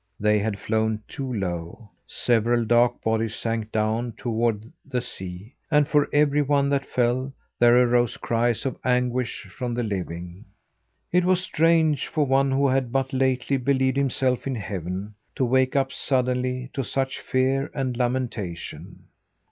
They had flown too low. Several dark bodies sank down toward the sea; and for every one that fell, there arose cries of anguish from the living. It was strange for one who had but lately believed himself in heaven, to wake up suddenly to such fear and lamentation.